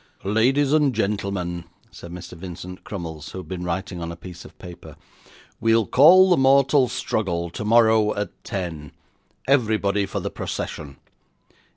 'Ladies and gentlemen,' said Mr. Vincent Crummles, who had been writing on a piece of paper, 'we'll call the Mortal Struggle tomorrow at ten; everybody for the procession.